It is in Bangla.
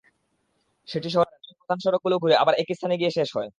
সেটি শহরের প্রধান সড়কগুলো ঘুরে আবার একই স্থানে গিয়ে শেষ হয়।